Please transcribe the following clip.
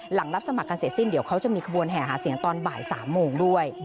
หลังรับสมัครกันเสร็จสิ้นเดี๋ยวเขาจะมีขบวนแห่หาเสียงตอนบ่าย๓โมงด้วย